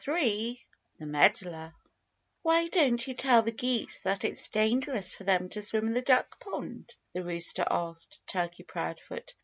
III THE MEDDLER "Why don't you tell the geese that it's dangerous for them to swim in the duck pond?" the rooster asked Turkey Proudfoot.